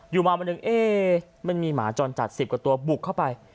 อยู่มาวันหนึ่งเอ๊มันมีหมาจรจัด๑๐กว่าตัวบุกเข้าไป